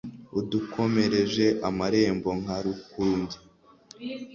Udukomereje amarembo nka Rukuge.